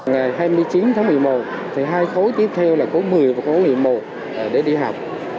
ngày hai mươi chín tháng một mươi một thì hai khối tiếp theo là khối một mươi và khối một mươi một để đi học